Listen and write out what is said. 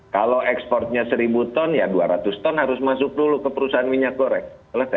kalau ekspornya seribu ton ya dua ratus ton harus masuk dulu ke perusahaan minyak goreng